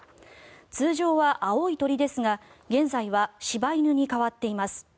通常は青い鳥ですが現在は柴犬に変わっています。